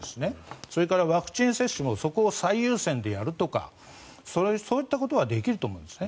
それからワクチン接種もそこを最優先でやるとかそういったことはできると思うんですね。